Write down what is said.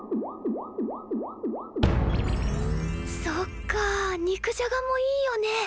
そっか肉じゃがもいいよね。